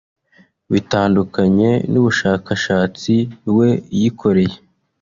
bitandukanye n’ubushakashatsi we yikoreye